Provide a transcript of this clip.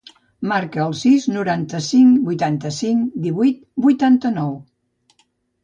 Marca el sis, noranta-cinc, vuitanta-cinc, divuit, vuitanta-nou.